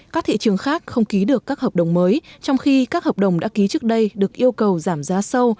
các thị trường khác không ký được các hợp đồng mới trong khi các hợp đồng đã ký trước đây được yêu cầu giảm giá sâu